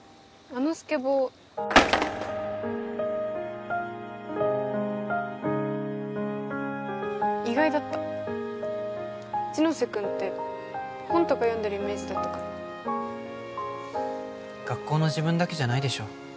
あのスケボー意外だった一ノ瀬君って本とか読んでるイメージだったから学校の自分だけじゃないでしょ